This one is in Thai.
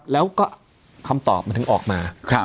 แล้วก็คำตอบมันถึงออกมา